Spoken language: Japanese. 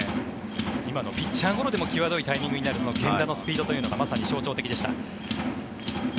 今のピッチャーゴロでもきわどいタイミングになる源田のスピードというのがまさに象徴的でした。